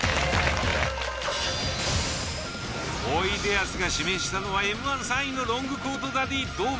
おいでやすが指名したのはＭ−１３位のロングコ―トダディ堂前。